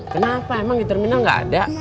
kenapa emang di terminal nggak ada